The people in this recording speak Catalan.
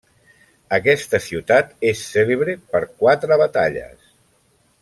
Aquesta ciutat és cèlebre per quatre batalles.